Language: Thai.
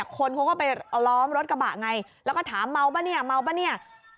คนเขาก็ไปล้อมรถกระบะไงแล้วก็ถามเมาป่ะเนี่ย